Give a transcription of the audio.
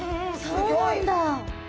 そうなんだ。